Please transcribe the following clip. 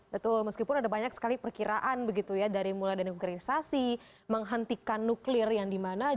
betul meskipun ada banyak sekali perkiraan begitu ya dari mulai denuklirisasi menghentikan nuklir yang dimana